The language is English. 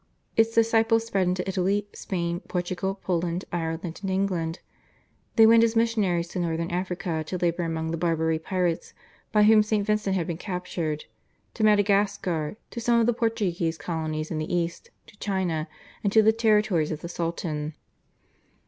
Its disciples spread into Italy, Spain, Portugal, Poland, Ireland, and England. They went as missionaries to Northern Africa to labour among the Barbary pirates by whom St. Vincent had been captured, to Madagascar, to some of the Portuguese colonies in the East, to China, and to the territories of the Sultan.